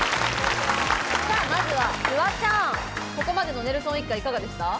フワちゃん、ここまでのネルソン一家はいかがでしたか。